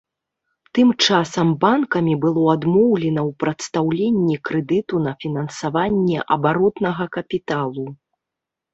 Тым часам банкамі было адмоўлена ў прадстаўленні крэдыту на фінансаванне абаротнага капіталу.